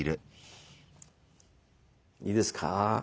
いいですか